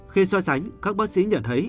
khi so sánh các bác sĩ nhận thấy